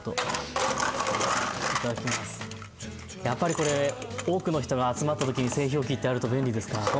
やっぱりこれ多くの人が集まったときに製氷機ってあると便利ですか？